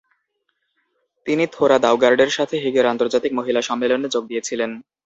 তিনি থোরা দাউগার্ডের সাথে হেগের আন্তর্জাতিক মহিলা সম্মেলনে যোগ দিয়েছিলেন।